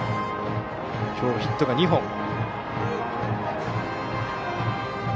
今日ヒットが２本。